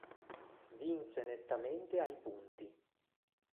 Vinse nettamente ai punti.